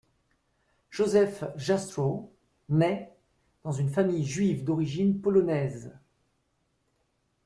Joseph Jastrow naît dans une famille juive d’origine polonaise.